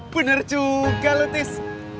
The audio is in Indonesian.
bener juga lutis